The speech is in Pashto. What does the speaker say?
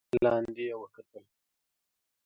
لاندې يې وکتل.